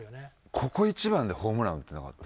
ここ一番でホームラン打ってなかった？